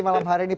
malam hari ini